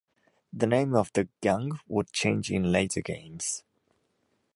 The name of the gang would change in later games.